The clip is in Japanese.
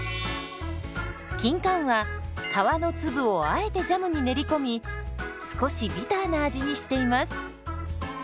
キンカンは皮の粒をあえてジャムに練り込み少しビターな味にしています。